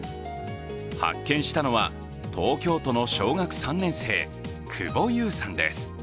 発見したのは東京都の小学３年生、久保佑さんです。